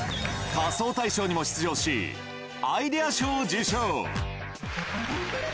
仮装大賞にも出場し、アイデア賞を受賞。